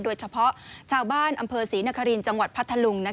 โดยเฉพาะชาวบ้านอำเภอศรีนครินทร์จังหวัดพัทธลุง